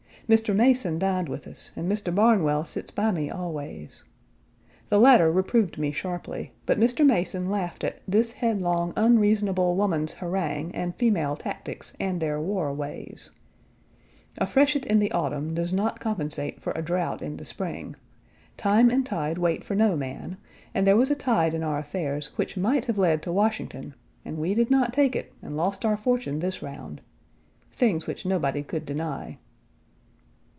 Mr. Mason dined with us and Mr. Barnwell sits by me always. The latter reproved me sharply, but Mr. Mason laughed at "this headlong, unreasonable woman's harangue and female tactics and their war ways." A freshet in the autumn does not compensate for a drought in the spring. Time and tide wait for no man, and there was a tide in our affairs which might have led to Washington, and we did not take it and lost our fortune this round. Things which nobody could deny.